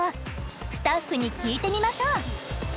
スタッフに聞いてみましょう！